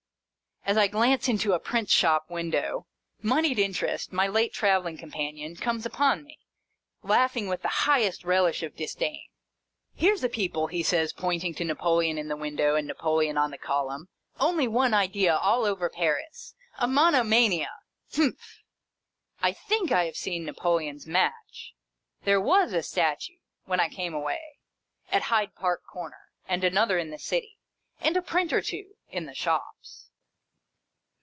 As I glance into a print shop window, Monied Interest, my late travelling companion, comes upon me, laughing with the highest relish of disdain. " Here 's a people !" he says, pointing to Napoleon in the window and Napoleon on the column. " Only one idea all over Paris ! A monomania !" Humph ! I THINK I have seen Napoleon's match 1 There WAS a statue, when I came away, at Hyde Park Corner, and another in the City, and a print or two in the shops.